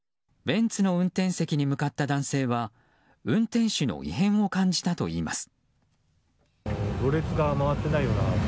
ベンツの運転席に向かった男性は運転手の異変を感じたといいます。